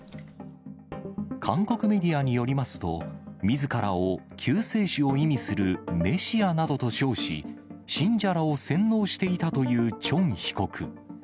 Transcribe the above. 韓国メディアによりますと、みずからを救世主を意味するメシアなどと称し、信者らを洗脳していたというチョン被告。